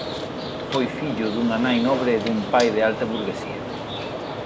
Foi fillo dunha nai nobre e dun pai da alta burguesía.